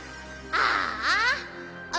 ああ。